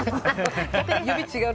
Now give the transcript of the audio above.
指違う。